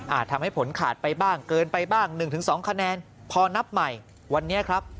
ทำให้ผลขาดไปบ้างเกินไปบ้าง๑๒คะแนนพอนับใหม่วันนี้ครับ